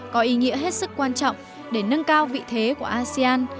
có ý nghĩa hết sức quan trọng để nâng cao vị thế của asean